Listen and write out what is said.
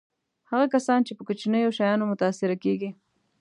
هغه کسان چې په کوچنیو شیانو متأثره کېږي.